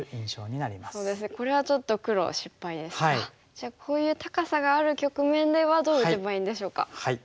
じゃあこういう高さがある局面ではどう打てばいいんでしょうか。